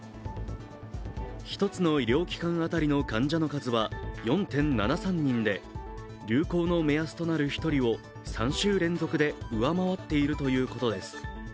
１つの医療機関当たりの患者の数は４．７３人で流行の目安となる１人を３週連続で上回っているということです。